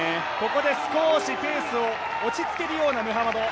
ここで少しペースを落ち着けるようなムハマド。